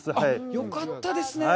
よかったですね。